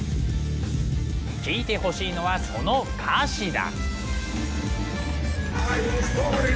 聴いてほしいのはその歌詞だ。